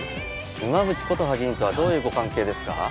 沼淵ことは議員とはどういうご関係ですか？